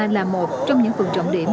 là một trong những phần trọng điểm